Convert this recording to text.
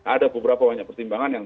ada beberapa pertimbangan yang